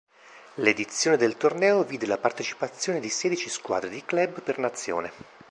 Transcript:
L'edizione del torneo vide la partecipazione di sedici squadre di club per nazione.